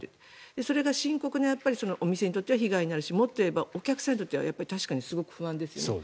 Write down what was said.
それが深刻にお店にとっては被害になるしもっと言えばお客さんにとっては確かにすごく不安ですよね。